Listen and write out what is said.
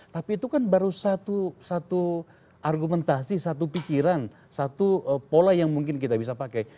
tapi itu kan baru satu argumentasi satu pikiran satu pola yang mungkin kita bisa pakai